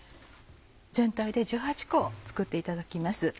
全体で１８個作っていただきます。